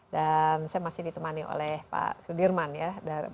dan saya masih ditemani oleh pak sudirman ya